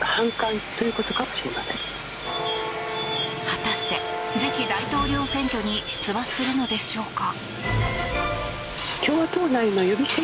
果たして、次期大統領選挙に出馬するのでしょうか。